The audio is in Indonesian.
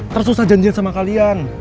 tersusah janjin sama kalian